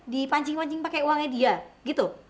dipancing pancing pake uangnya dia gitu